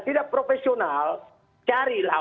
tidak profesional carilah